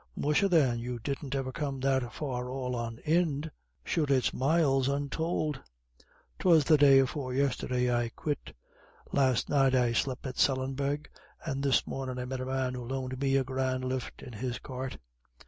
"Musha, then, you didn't ever come that far all on ind sure it's miles untould." "'Twas the day afore yisterday I quit. Last night I slep' at Sallinbeg, and this mornin' I met a man who loaned me a grand lift in his cart."